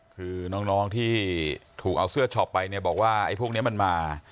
คือน้องที่ถูกเอาเสื้อช็อปไปเนี่ยบอกว่าไอ้พวกนี้มันมา